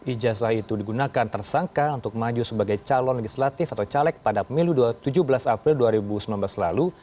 ijazah itu digunakan tersangka untuk maju sebagai calon legislatif atau caleg pada pemilu tujuh belas april dua ribu sembilan belas lalu